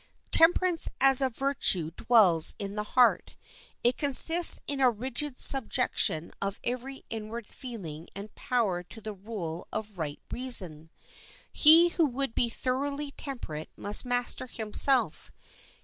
Temperance as a virtue dwells in the heart. It consists in a rigid subjection of every inward feeling and power to the rule of right reason. He who would be thoroughly temperate must master himself.